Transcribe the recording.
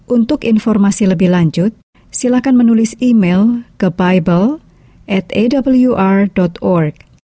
untuk informasi lebih lanjut silakan menulis email ke bible atawr org